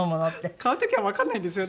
買う時はわかんないんですよね。